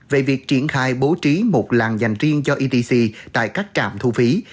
sẽ bố trí một làn dành riêng cho etc tại các trạm thu phí